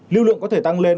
lưu lượng có thể tăng lên